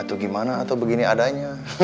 atau gimana atau begini adanya